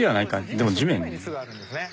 そう地面に巣があるんですね。